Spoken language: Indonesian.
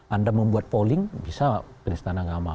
anda membuat polling bisa penistaan agama